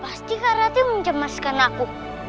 pasti kak rati mencemaskan aku